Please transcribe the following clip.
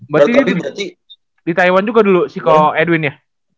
berarti dia di taiwan juga dulu si kho edwin ya